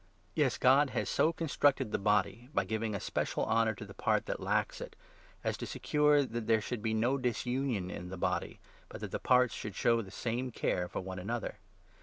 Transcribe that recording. Yes, God has so 24 constructed the body — by giving a special honour to the part 324 I. CORINTHIANS, 12 14. that lacks it — as to secure that there should be no disunion in 25 the body, but that the parts should show the same care for one another.